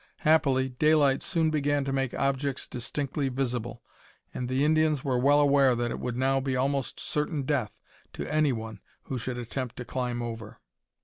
Happily, daylight soon began to make objects distinctly visible, and the Indians were well aware that it would now be almost certain death to any one who should attempt to climb over.